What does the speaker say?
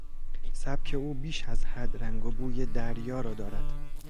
سبک او بیش از حد رنگ و بوی دریا را دارد.